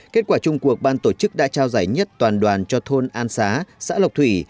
kết quả chung cuộc ban tổ chức đã trao giải nhất toàn đoàn cho thôn an xá xã lộc thủy